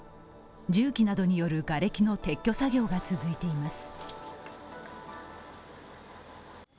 重機などによるがれきの撤去作業が続いています。